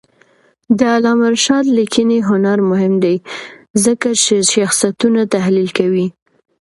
د علامه رشاد لیکنی هنر مهم دی ځکه چې شخصیتونه تحلیل کوي.